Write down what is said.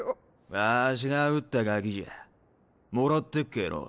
ワシが撃ったガキじゃもらってくけぇのぉ。